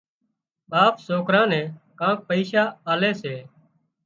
ٻاپ سوڪران نين ڪانڪ پئشا آلي سي